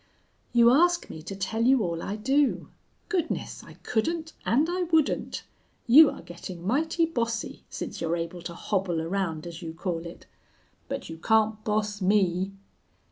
"You ask me to tell you all I do. Goodness! I couldn't and I wouldn't. You are getting mighty bossy since you're able to hobble around, as you call it. But you can't boss _me!